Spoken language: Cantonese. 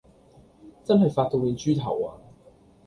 真係發到變豬頭呀